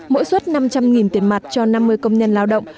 mỗi suất năm trăm linh tiền mặt cho năm mươi công nhân lao động